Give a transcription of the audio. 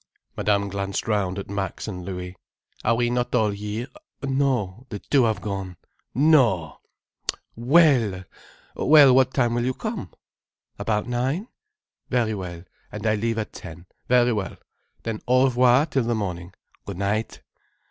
Madame glanced round at Max and Louis. "Are we not all here? No. The two have gone. No! Well! Well what time will you come?" "About nine?" "Very well, and I leave at ten. Very well. Then au revoir till the morning. Good night."